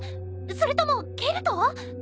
それともケルト？